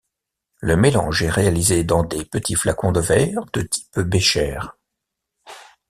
Le mélange est réalisé dans des petits flacons de verre de type bécher.